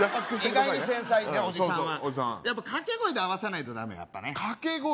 意外に繊細おじさんはやっぱ掛け声で合わさないとダメ掛け声？